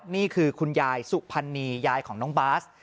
คุณยายสุพรรณียายของน้องบาส